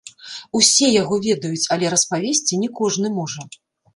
Усе яго ведаюць, але распавесці не кожны можа.